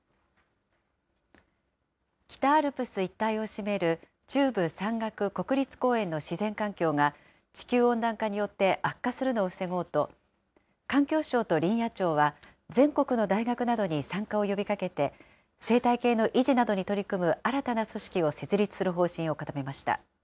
北アルプス一帯を占める中部山岳国立公園の自然環境が、地球温暖化によって悪化するのを防ごうと、環境省と林野庁は全国の大学などに参加を呼びかけて、生態系の維持などに取り組む新たな組織を設立する方針を固めました。